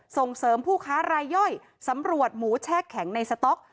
ส่งเสริมผู้ค้ารายย่อยสำรวจหมูแช่แข็งในสต๊อก